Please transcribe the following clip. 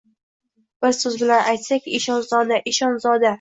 Bir so‘z bilan aytsak, eshonzoda, eshonzoda!